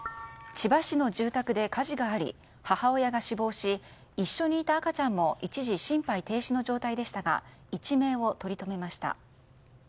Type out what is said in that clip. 千葉市の住宅で火事があり母親が死亡し一緒にいた赤ちゃんも一時、心肺停止の状態でしたが一命をとりとめました。